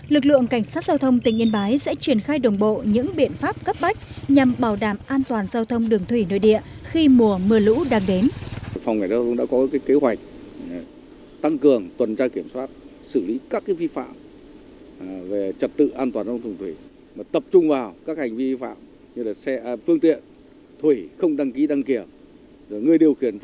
lực lượng cảnh sát giao thông tỉnh yên bái sẽ triển khai đồng bộ những biện pháp cấp bách nhằm bảo đảm an toàn giao thông đường thủy nội địa khi mùa mưa lũ đang đến